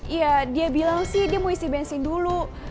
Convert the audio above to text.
iya dia bilang sih dia mau isi bensin dulu